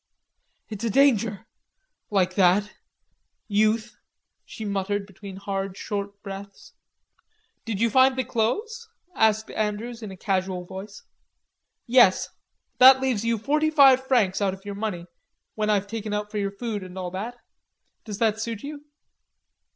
"It's a danger... like that... youth," she muttered between hard short breaths. "Did you find the clothes?" asked Andrews in a casual voice. "Yes. That leaves you forty five francs out of your money, when I've taken out for your food and all that. Does that suit you?"